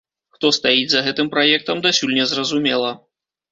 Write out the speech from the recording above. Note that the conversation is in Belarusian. Хто стаіць за гэтым праектам, дасюль не зразумела.